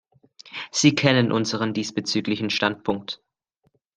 Sie kennen unseren diesbezüglichen Standpunkt.